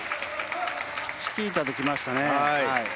チキータできましたね。